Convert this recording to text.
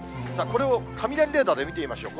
これを雷レーダーで見てみましょう。